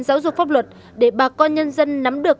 giáo dục pháp luật để bà con nhân dân nắm được